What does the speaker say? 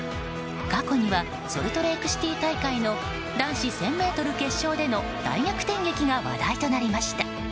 過去にはソルトレークシティー大会の男子１０００ｍ決勝での大逆転劇が話題となりました。